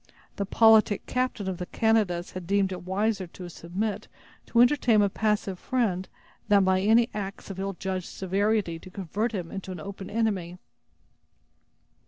The politic captain of the Canadas had deemed it wiser to submit to entertain a passive friend, than by any acts of ill judged severity to convert him into an open enemy.